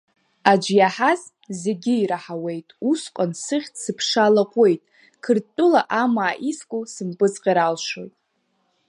Аӡә иаҳаз зегьы ираҳауеит, усҟан сыхьӡ-сыԥша лаҟәуеит, Қырҭтәыла амаа иску сымпыҵҟьар алшоит.